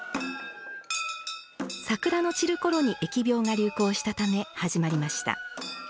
桜の散る頃に疫病が流行したため始まりました。